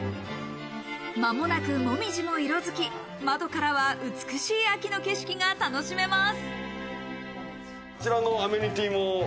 間もなくもみじも色づき、窓からは美しい秋の景色が楽しめます。